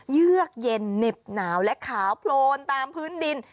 เยือกเย็นเหน็บหนาวและขาวโพลนตามพื้นดิน